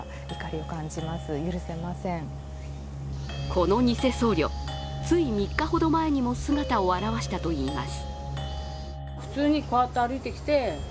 この偽僧侶、ついて３日ほど前にも姿を現したといいます。